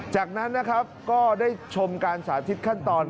จากนั้นนะครับก็ได้ชมการสาธิตขั้นตอน